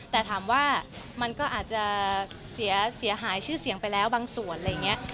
แต่ถามว่ามันก็อาจจะเสียหายชื่อเสียงไปแล้วบางส่วนอะไรอย่างนี้